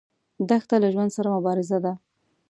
دښته له ژوند سره مبارزه ده.